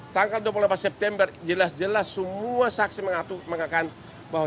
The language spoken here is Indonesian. tanggal dua puluh delapan september jelas jelas semua saksi mengatakan bahwa